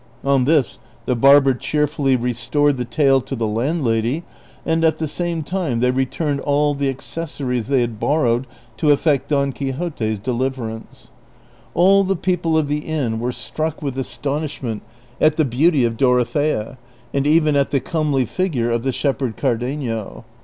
On this the barber cheer fully restored the tail to the landlady, and at the same time CHAPTER XXXIT. 267 they returned all the accessories they had borrowed to effect Don Quixote's deliverance. All the people of the inn were struck with astonishment at the beauty of Dorothea, and even at the comely figure of the shepherd Cardenio.